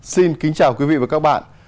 xin kính chào quý vị và các bạn